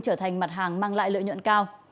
trở thành mặt hàng mang lại lợi nhuận cao